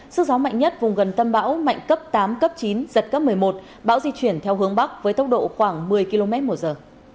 sức gió mạnh nhất vùng gần tâm bão mạnh cấp tám cấp chín giật cấp một mươi một bão di chuyển theo hướng bắc với tốc độ khoảng một mươi km một giờ